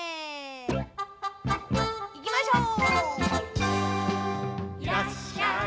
いきましょう！